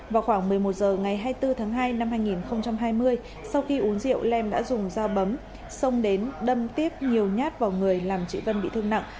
vào khoảng một mươi một h ngày hai mươi bốn tháng hai năm hai nghìn hai mươi sau khi uống rượu lem đã dùng dao bấm xông đến đâm tiếp nhiều nhát vào người làm chị vân bị thương nặng